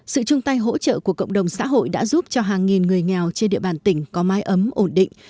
sự chung tay hỗ trợ của cộng đồng xã hội đã giúp cho hàng nghìn người nghèo trên địa bàn tỉnh có mái ấm ổn định